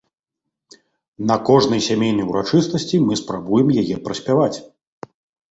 На кожнай сямейнай урачыстасці мы спрабуем яе праспяваць.